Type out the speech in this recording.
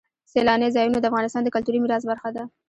سیلانی ځایونه د افغانستان د کلتوري میراث برخه ده.